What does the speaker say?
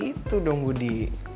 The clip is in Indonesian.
nah gitu dong budi